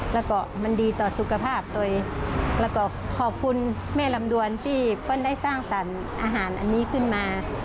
แล้วก็มันดีต่อสุขภาพตัวเองแล้วก็ขอบคุณแม่ลำดวนที่เปิ้ลได้สร้างสรรค์อาหารอันนี้ขึ้นมา